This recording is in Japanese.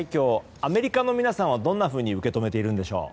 アメリカの皆さんはどんなふうに受け止めているんでしょう。